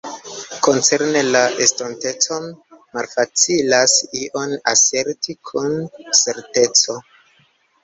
Koncerne la estontecon, malfacilas ion aserti kun certeco.